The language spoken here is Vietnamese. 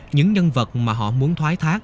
những nhân vật mà họ muốn thoái thác